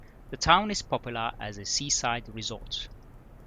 The town is popular as a seaside resort.